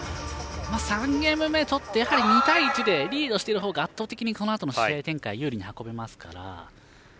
３ゲーム目、とって２対１でリードしている方が圧倒的にこのあとの試合展開を有利に運べますから。